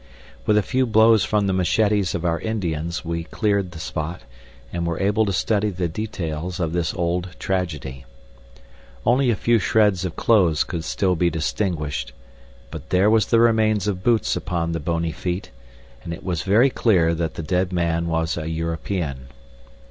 With a few blows from the machetes of our Indians we cleared the spot and were able to study the details of this old tragedy. Only a few shreds of clothes could still be distinguished, but there were the remains of boots upon the bony feet, and it was very clear that the dead man was a European.